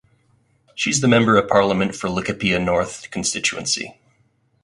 She is the member of parliament for Laikipia North constituency.